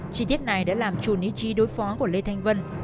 chi tiết này đã làm trùn ý chí đối phó của lê thanh vân